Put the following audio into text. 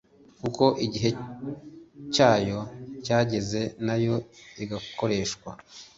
kuko igihe cyayo cyageze nayo igakoreshwa